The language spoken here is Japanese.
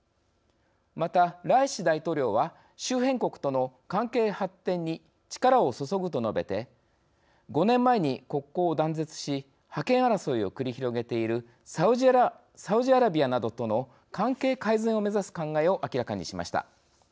また、ライシ大統領は「周辺国との関係発展に力を注ぐ」と述べて５年前に国交を断絶し覇権争いを繰り広げているサウジアラビアなどとの関係改善を目指す考えを明らかにしました。